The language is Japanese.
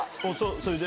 それで？